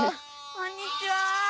こんにちは。